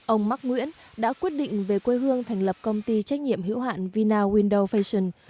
ông mark nguyễn đã quyết định về quê hương thành lập công ty trách nhiệm hữu hạn vina window fation